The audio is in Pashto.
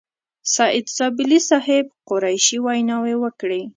سعید زابلي صاحب، قریشي ویناوې وکړې.